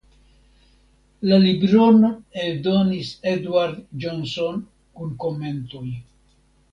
La libron eldonis Eduard Johnson kun komentoj.